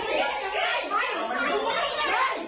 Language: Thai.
มึงไม่ได้ยุ่งอย่างไร